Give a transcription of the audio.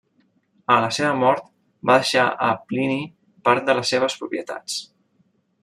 A la seva mort va deixar a Plini part de les seves propietats.